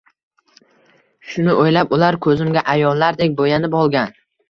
Shuni o‘ylab, ular ko‘zimga ayollardek bo‘yanib olgan.